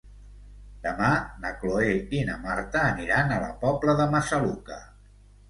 Demà na Cloè i na Marta aniran a la Pobla de Massaluca.